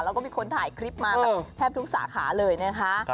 เอ้ามีสาขาไหนไม่มีหมาเว่นบ้างบอกมา